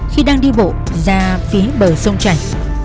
khi đang đi bộ ra phía bờ sông chảnh